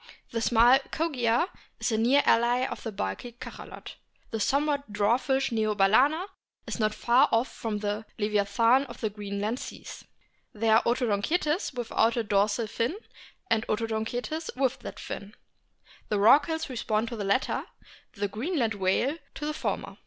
The small Kogia is a near ally of the bulky Cachalot. The somewhat dwarfish Neo balcena is not far off from the leviathan of the Green land seas. There are Odontocetes without a dorsal fin, and Odontocetes with that fin. The Rorquals correspond to the latter, the Greenland whale to the former.